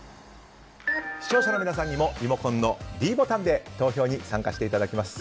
視聴者の皆さんにもリモコンのｄボタンで投票に参加していただきます。